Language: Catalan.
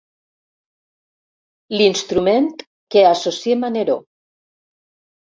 L'instrument que associem a Neró.